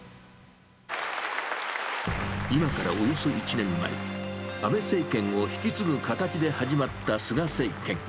今からおよそ１年前、安倍政権を引き継ぐ形で始まった菅政権。